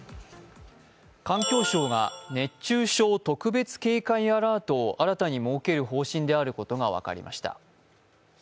環境省が熱中症特別警戒アラートを新たに設ける方針であることが分かりました。